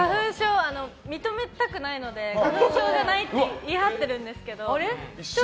認めたくないので花粉症じゃないって言い張ってるんですけど。